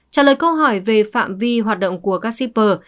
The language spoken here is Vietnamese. trả lời câu hỏi về phạm vi hoạt động của các shipper